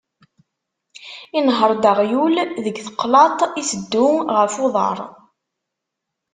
Inher-d aɣyul deg teqlaṭ, iteddu ɣef uḍar.